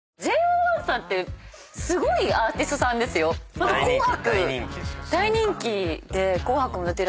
ホント『紅白』。